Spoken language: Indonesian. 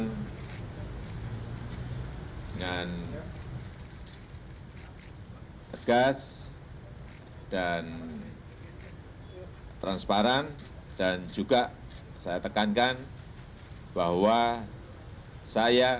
dengan tegas dan transparan dan juga saya tekankan bahwa saya